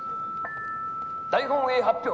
「大本営発表